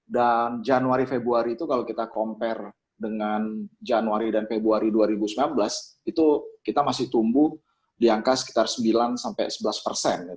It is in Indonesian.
dan januari februari itu kalau kita compare dengan januari dan februari dua ribu sembilan belas itu kita masih tumbuh di angka sekitar sembilan sampai sebelas persen